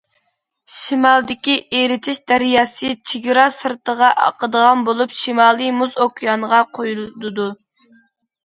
شىمالىدىكى ئېرتىش دەرياسى چېگرا سىرتىغا ئاقىدىغان بولۇپ، شىمالىي مۇز ئوكيانغا قۇيۇلىدۇ.